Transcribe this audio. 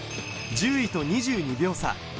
１０位と２２秒差。